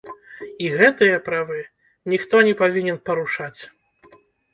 І гэтыя правы ніхто не павінен парушаць.